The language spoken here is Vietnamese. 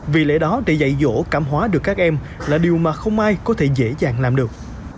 vì lẽ đó để dạy dỗ cảm hóa được các em là điều mà không ai có thể dễ dàng làm được